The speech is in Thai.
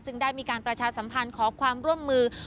ได้มีการประชาสัมพันธ์ขอความร่วมมือ